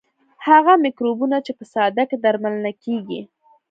هغه مکروبونه چې په ساده ګۍ درملنه کیږي.